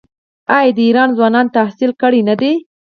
آیا د ایران ځوانان تحصیل کړي نه دي؟